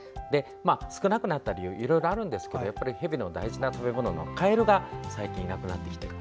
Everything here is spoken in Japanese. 少なくなった理由はいろいろあるんですけどヘビの大事な食べ物のカエルが最近いなくなってきている。